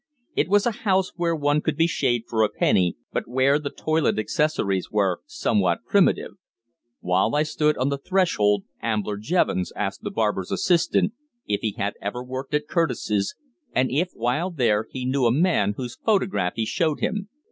It was a house where one could be shaved for a penny, but where the toilet accessories were somewhat primitive. While I stood on the threshold Ambler Jevons asked the barber's assistant if he had ever worked at Curtis's, and if, while there, he knew a man whose photograph he showed him.